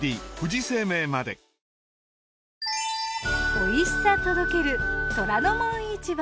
おいしさ届ける『虎ノ門市場』。